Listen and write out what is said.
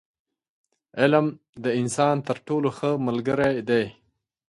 • علم، د انسان تر ټولو ښه ملګری دی.